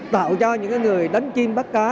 tạo cho những người đánh chim bắt cá